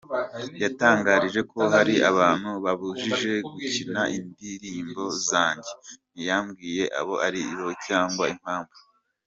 Yantangarije ko hari abantu bababujije gukina indirimbo zanjye, ntiyambwiye abo ari bo cyangwa impamvu.